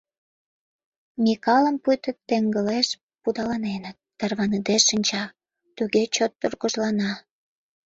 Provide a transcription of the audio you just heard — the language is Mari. Микалым пуйто теҥгылеш пудаленыт, тарваныде шинча, туге чот тургыжлана.